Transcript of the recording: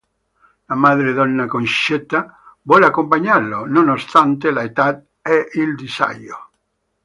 La madre Donna Concetta volle accompagnarlo, nonostante l’età e il disagio.